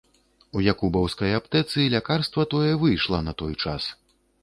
У якубаўскай аптэцы лякарства тое выйшла на той час.